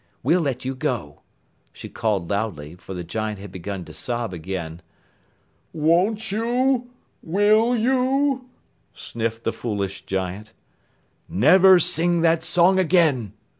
We'll let you go," she called loudly, for the giant had begun to sob again. "Won't you? Will you?" sniffed the foolish giant. "Never sing that song again!"